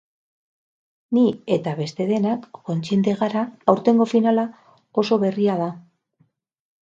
Ni eta beste denak kontziente gara, aurtengo finala oso berria da.